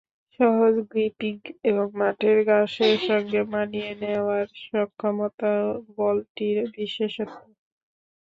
সহজ গ্রিপিং এবং মাঠের ঘাসের সঙ্গে মানিয়ে নেওয়ার সক্ষমতা বলটির বিশেষত্ব।